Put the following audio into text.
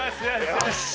よし！